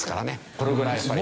これぐらいやっぱり。